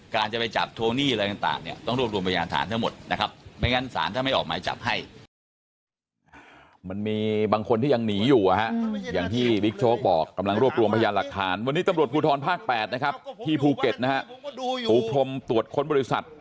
การจะไปจับโทนี่ต้องรวบรวมประหยาดฐานทั่วหมดนะครับ